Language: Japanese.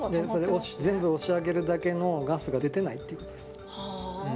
全部押し上げるだけのガスが出てないということです。